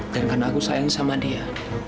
dan karena aku sayang sama dia